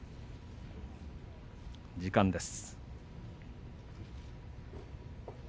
時間です。